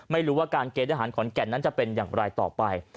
ไม่รู้ว่าการเกณฑ์ทหารขอนแก่นนั้นจะเป็นอย่างไรต่อไป